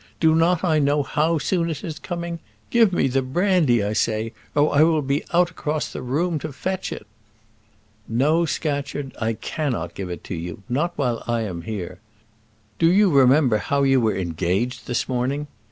Do not I know how soon it is coming? Give me the brandy, I say, or I will be out across the room to fetch it." "No, Scatcherd. I cannot give it to you; not while I am here. Do you remember how you were engaged this morning?"